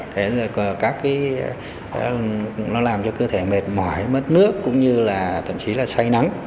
thế rồi các cái nó làm cho cơ thể mệt mỏi mất nước cũng như là thậm chí là say nắng